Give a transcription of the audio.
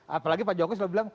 apalagi pak jokowi selalu bilang